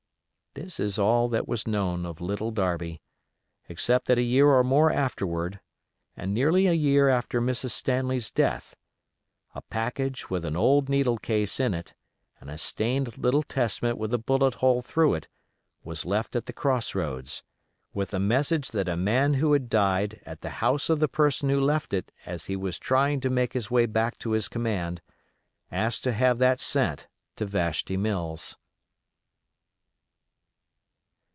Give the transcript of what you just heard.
This is all that was known of Little Darby, except that a year or more afterward, and nearly a year after Mrs. Stanley's death, a package with an old needle case in it and a stained little Testament with a bullet hole through it, was left at the Cross roads, with a message that a man who had died at the house of the person who left it as he was trying to make his way back to his command, asked to have that sent to Vashti Mills.